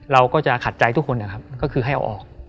เราก็จะขัดใจทุกคนนะครับก็คือให้เอาออก